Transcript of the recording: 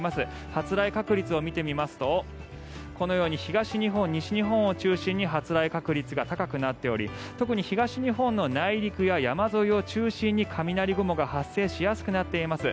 発雷確率を見てみますとこのように東日本、西日本を中心に発雷確率が高くなっており特に東日本の内陸や山沿いを中心に雷雲が発生しやすくなっています。